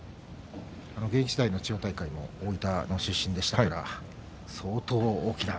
現役時代の千代大海も大分の出身でしたから相当、大きな。